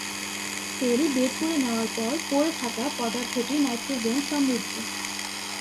তেল বের করে নেওয়ার পর পড়ে থাকা পদার্থটি নাইট্রোজেন-সমৃদ্ধ।